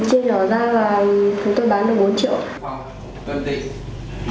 chia nhỏ ra và chúng tôi bán được bốn triệu